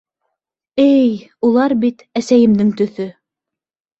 Эй, улар бит... әсәйемдең төҫө.